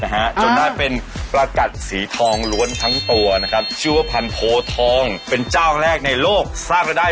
เฮียทรอยตรงนู้นไปค่ะ